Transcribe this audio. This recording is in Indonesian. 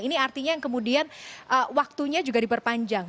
ini artinya yang kemudian waktunya juga diperpanjang